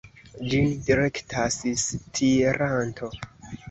Ĝin direktas stiranto.